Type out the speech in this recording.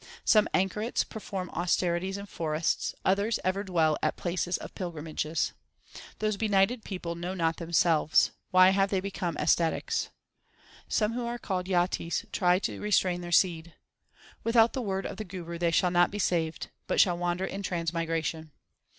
Some anchorets perform austerities in forests, others ever dwell at places of pilgrimages. Those benighted people know not themselves ; why have they become ascetics ? Some who are called Jatis try to restrain their seed : Without the word of the Guru they shall not be saved, but shall wander in transmigration.